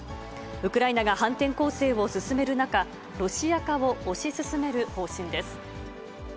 ウクライナが反転攻勢を進める中、ロシア化を推し進める方針です。